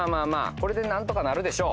これでなんとかなるでしょう